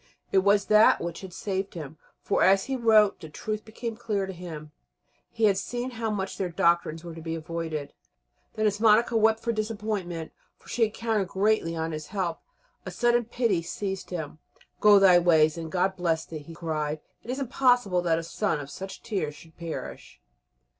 It was that which had saved him; for, as he wrote, the truth became clear to him; he had seen how much their doctrines were to be avoided. Then, as Monica wept for disappointment for she had counted greatly on his help a sudden pity seized him. "Go thy ways, and God bless thee," he cried. "It is impossible that a son of such tears should perish."